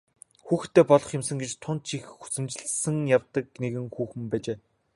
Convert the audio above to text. Хүүхэдтэй болох юмсан гэж тун ч их хүсэмжлэн явдаг нэгэн хүүхэн байжээ.